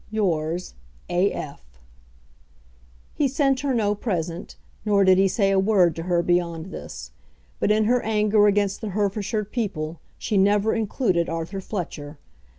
Yours, A. F. He sent her no present, nor did he say a word to her beyond this; but in her anger against the Herefordshire people she never included Arthur Fletcher.